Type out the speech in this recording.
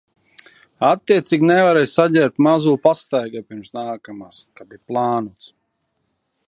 Attiecīgi nevarēju saģērbt mazuli pastaigai pirms nākamās, kā bija plānots.